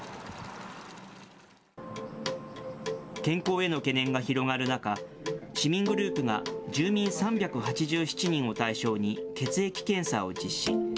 健康への懸念が広がる中、市民グループが、住民３８７人を対象に血液検査を実施。